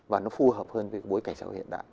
và nó phù hợp hơn với bối cảnh xã hội hiện đại